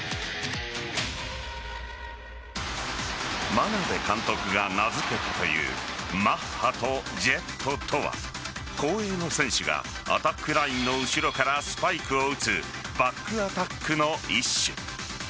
眞鍋監督が名付けたというマッハとジェットとは後衛の選手がアタックラインの後ろからスパイクを打つバックアタックの一種。